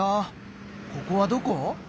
ここはどこ？